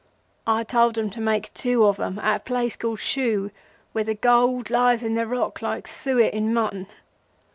I told 'em to make two of 'em at a place called Shu, where the gold lies in the rock like suet in mutton.